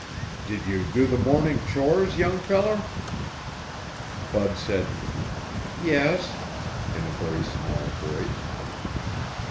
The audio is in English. "Did you do the morning chores, young feller?" Bud said, "Yes," in a very small voice.